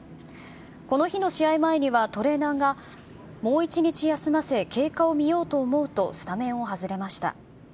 この日の試合前にはトレーナーが、もう１日休ませ、経過を見ようと思うとスタメンを外れました。